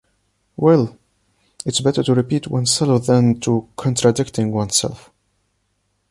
Well! It’s better to repeat oneself than to contradicting oneself.